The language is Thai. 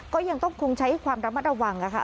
ก็ยังต้องคงใช้ความระมัดระวังค่ะ